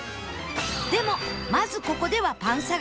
でもまずここではパン探し！